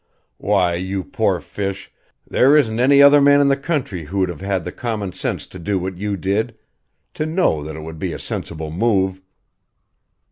Why, you poor fish there isn't any other man in the country who'd have had the common sense to do what you did to know that it would be a sensible move."